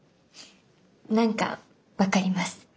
何か分かります。